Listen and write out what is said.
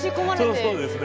そうですね。